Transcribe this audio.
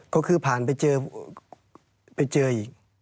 ก็คือผ่านไปเจออีก